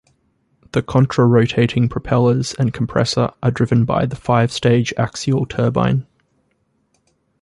The contra-rotating propellers and compressor are driven by the five-stage axial turbine.